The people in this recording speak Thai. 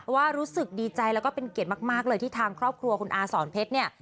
รู้สึกดีใจแล้วก็เป็นเกียรติมากเลยที่ทางครอบครัวคุณอาสอนเพชรเนี่ย